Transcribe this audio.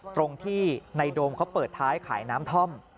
ตรงที่ในโดมเขาเปิดท้ายขายน้ำท่อม